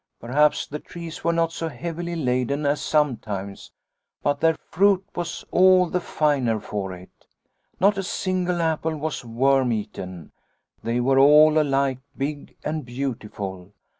Perhaps the trees were not so heavily laden as sometimes, but their fruit was all the finer for it. Not a single apple was worm eaten, they were all alike big and beautiful.